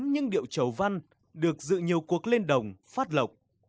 những điệu chầu văn được dự nhiều cuộc lên đồng phát lộc